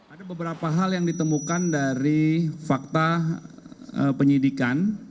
ada beberapa hal yang ditemukan dari fakta penyidikan